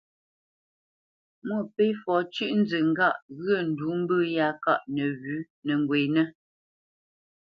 Mwôpéfɔ cʉ́ʼnzə ŋgâʼ ghyə̂ ndǔ mbə̂ yá káʼ nəwʉ̌ nə́ ghwenə́ ?